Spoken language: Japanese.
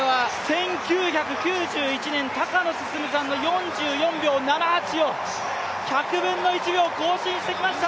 １９９１年、高野進さんの４４秒７８を１００分の１秒、更新してきました。